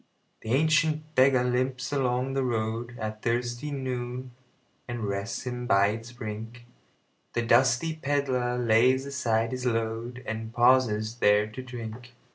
The ancient beggar limps along the roadAt thirsty noon, and rests him by its brink; The dusty pedlar lays aside his load, And pauses there to drink.